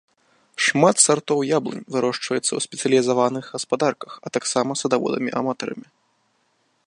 Шмат сартоў яблынь вырошчваецца ў спецыялізаваных гаспадарках, а таксама садаводамі-аматарамі.